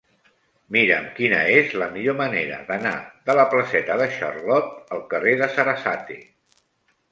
Mira'm quina és la millor manera d'anar de la placeta de Charlot al carrer de Sarasate.